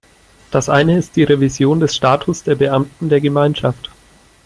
Das eine ist die Revision des Status der Beamten der Gemeinschaft.